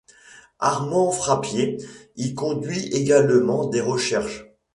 Armand Frappier y conduit également des recherches.